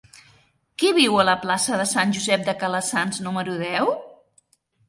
Qui viu a la plaça de Sant Josep de Calassanç número deu?